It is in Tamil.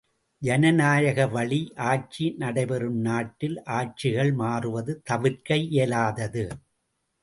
ஜனநாயக வழி ஆட்சி நடைபெறும் நாட்டில் ஆட்சிகள் மாறுவது தவிர்க்க இயலாதது!